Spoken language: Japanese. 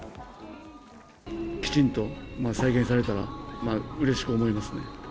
きちんと再建されたら、うれしく思いますね。